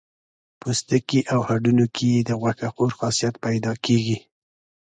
پوستکي او هډونو کې یې د غوښه خور خاصیت پیدا کېږي.